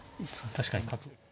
確かに角。